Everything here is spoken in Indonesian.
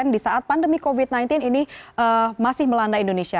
di saat pandemi covid sembilan belas ini masih melanda indonesia